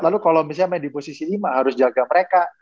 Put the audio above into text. lalu kalau misalnya main di posisi lima harus jaga mereka